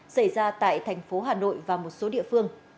xảy ra tại thành phố hà nội và một số địa phương